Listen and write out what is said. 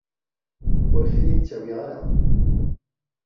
Ur ken-id-ttawiɣ ara.